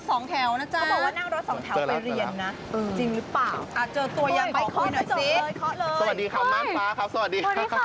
สวัสดีค่ะมาได้ไง